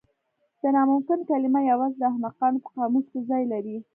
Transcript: د ناممکن کلمه یوازې د احمقانو په قاموس کې ځای لري.